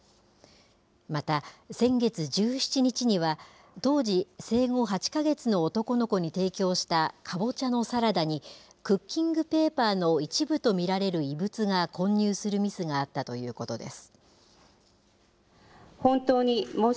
また先月１７日には、当時、生後８か月の男の子に提供したかぼちゃのサラダに、クッキングペーパーの一部と見られる異物が混入するミスがあったということです。